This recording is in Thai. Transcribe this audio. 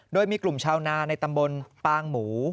โดยมีกลุ่มชาวนาในตำบลปางหมู